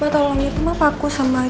tolongnya itu mah paku sama